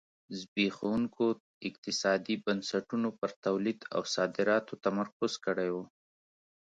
زبېښونکو اقتصادي بنسټونو پر تولید او صادراتو تمرکز کړی و.